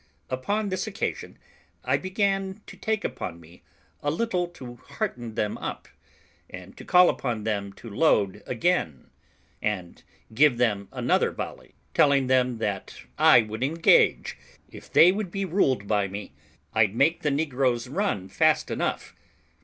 Upon this occasion I began to take upon me a little to hearten them up, and to call upon them to load again, and give them another volley, telling them that I would engage, if they would be ruled by me, I'd make the negroes run fast enough.